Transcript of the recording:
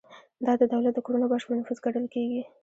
دا د دولت د کړنو بشپړ نفوذ ګڼل کیږي.